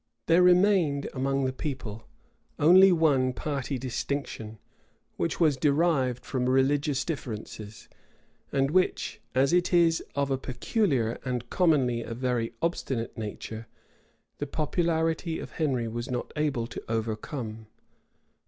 There remained among the people only one party distinction, which was derived from religious differences, and which, as it is of a peculiar and commonly a very obstinate nature, the popularity of Henry was not able to overcome.